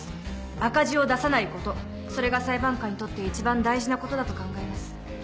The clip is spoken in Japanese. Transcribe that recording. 赤字を出さないことそれが裁判官にとって一番大事なことだと考えます。